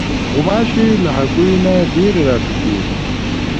غوماشې له هګیو نه ډېرې راټوکېږي.